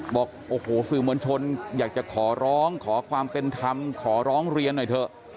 บอกโอ้โหสื่อมวลชนอยากจะขอร้องขอความเป็นธรรมขอร้องเรียนหน่อยเถอะ